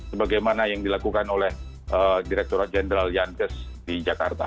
sebagaimana yang dilakukan oleh direkturat jenderal yankes di jakarta